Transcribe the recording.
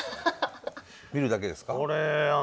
見るだけですか？